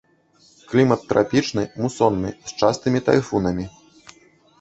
Клімат трапічны мусонны з частымі тайфунамі.